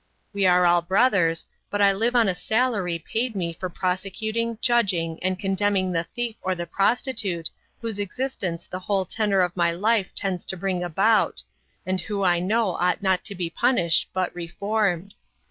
We are all brothers, but I live on a salary paid me for prosecuting, judging, and condemning the thief or the prostitute whose existence the whole tenor of my life tends to bring about, and who I know ought not to be punished but reformed.